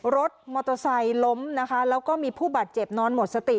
รถมอเตอร์ไซค์ล้มนะคะแล้วก็มีผู้บาดเจ็บนอนหมดสติ